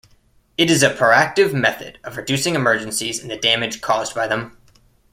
It is a proactive method of reducing emergencies and the damage caused by them.